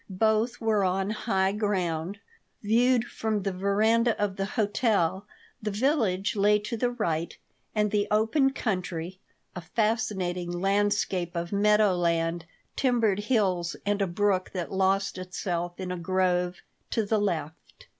Both were on high ground. Viewed from the veranda of the hotel, the village lay to the right and the open country a fascinating landscape of meadowland, timbered hills, and a brook that lost itself in a grove to the left.